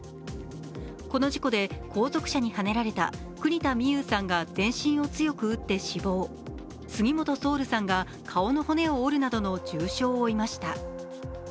この事故で後続車にはねられた国田美佑さんが全身を強く打って死亡杉本蒼瑠さんが顔の骨を折るなどの重傷を負いました。